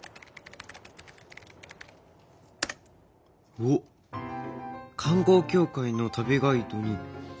おっ観光協会の旅ガイドに新聞記事。